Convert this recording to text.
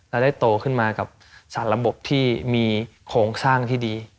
และได้โตขึ้นมากับสารระบบที่มีโครงสร้างที่ดี